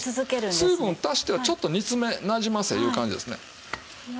水分足してはちょっと煮詰めなじませいう感じですね。